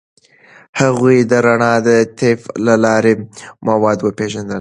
هغوی د رڼا د طیف له لارې مواد وپیژندل.